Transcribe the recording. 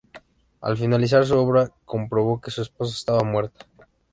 Al finalizar su obra, comprobó que su esposa estaba muerta.